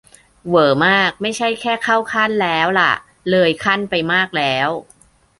- เหวอมาก ไม่ใช่แค่ "เข้าขั้น" แล้วล่ะ "เลยขั้น" ไปมากแล้ว !